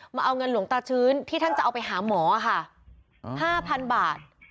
มาเอาเงินหลวงตาชื้นที่ท่านจะเอาไปหาหมอค่ะ๕๐๐๐บาท